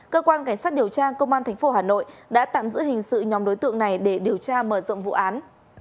cơ quan cảnh sát điều tra công an tp hà nội đã tạm giữ hình sự nhóm đối tượng này để điều tra mở rộng vụ án